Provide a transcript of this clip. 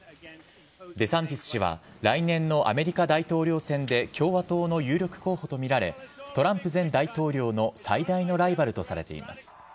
デサンティス氏は来年のアメリカ大統領選で共和党の有力候補とみられトランプ前大統領の最大のライバルとされています。